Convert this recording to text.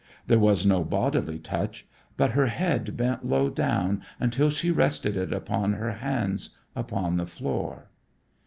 There was no bodily touch, but her head bent low down until she rested it upon her hands upon the floor.